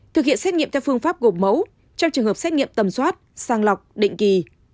thực hiện xét nghiệm theo phương pháp gộp mẫu trong trường hợp xét nghiệm tầm soát sang lọc định kỳ